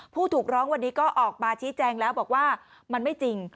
ผู้ถูกร้องวันนี้ก็ออกมาชี้แจงแล้วบอกว่ามันไม่จริง